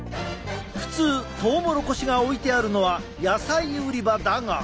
普通トウモロコシが置いてあるのは野菜売り場だが。